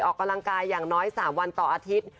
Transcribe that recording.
ออกกำลังกายอย่างน้อย๓วันต่ออาทิตย์